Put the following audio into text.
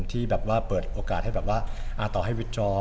ที่แบบว่าเปิดโอกาสให้แบบว่าต่อให้วิดจอ